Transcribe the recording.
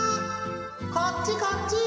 こっちこっち！